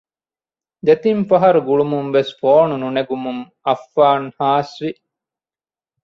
ދެތިން ފަހަރު ގުޅުމުންވެސް ފޯނު ނުނެގުމުން އައްފާން ހާސް ވި